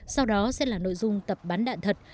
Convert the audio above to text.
sau đó sẽ là nội dung tập bắn đạn thật